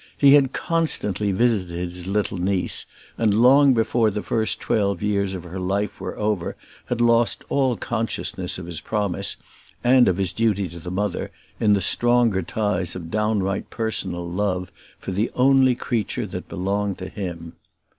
He had constantly visited his little niece, and long before the first twelve years of her life were over had lost all consciousness of his promise, and of his duty to the mother, in the stronger ties of downright personal love for the only creature that belonged to him.